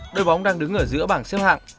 đôi bóng đang đứng ở giữa bảng xếp hạng